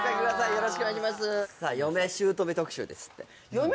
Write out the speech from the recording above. よろしくお願いします